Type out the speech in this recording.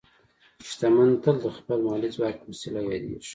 شتمن تل د خپل مالي ځواک په وسیله یادېږي.